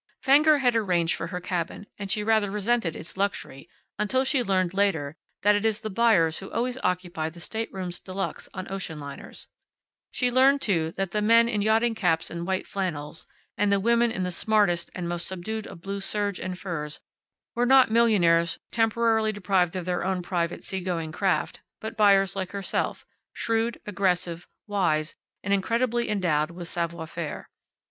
Fenger had arranged for her cabin, and she rather resented its luxury until she learned later, that it is the buyers who always occupy the staterooms de luxe on ocean liners. She learned, too, that the men in yachting caps and white flannels, and the women in the smartest and most subdued of blue serge and furs were not millionaires temporarily deprived of their own private seagoing craft, but buyers like herself, shrewd, aggressive, wise and incredibly endowed with savoir faire.